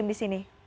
yang di sini